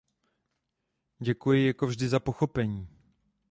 Děkuji jako vždy za pochopení.